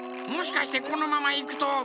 もしかしてこのままいくと。